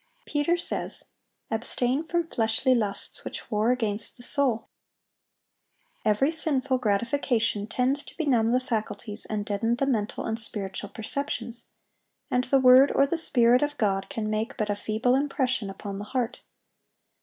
Peter says, "Abstain from fleshly lusts, which war against the soul."(814) Every sinful gratification tends to benumb the faculties and deaden the mental and spiritual perceptions, and the word or the Spirit of God can make but a feeble impression upon the heart.